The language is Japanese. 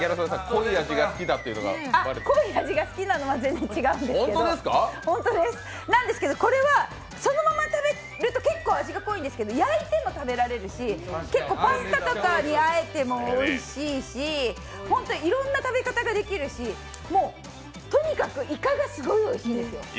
濃い味が好きなのは全然違うんですけど、これは、そのまま食べると結構、味が濃いんですけど、焼いても食べられるし、パスタとかにあえてもおいしいし、いろんな食べ方ができるしもう、とにかくいかがすごいおいしいんですよ。